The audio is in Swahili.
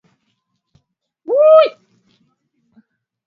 sasa hivi imebaki vyama vitano ambavyo vina